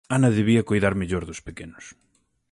Ana debía coidar mellor dos pequenos.